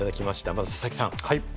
まず佐々木さん。